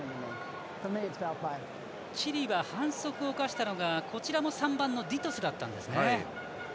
チリは反則を犯したのが３番のディトゥスだったんですね。